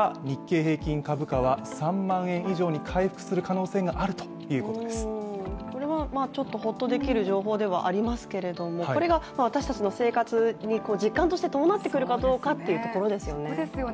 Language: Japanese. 一体どういうことかといいますとこれはちょっとほっとできる情報ではありますけれどもこれが私たちの生活に実感として伴ってくるかどうかというところですよね。